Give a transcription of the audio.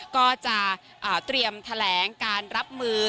ก็จะเตรียมแถลงการรับมือ